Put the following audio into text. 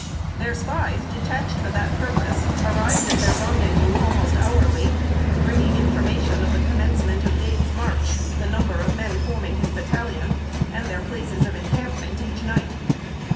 Their spies detached for that purpose, arrived at their rendezvous almost hourly, bringing information of the commencement of Dade's march, the number of men forming his battalion, and their places of encampment each night.